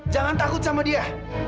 jangan takut sama dia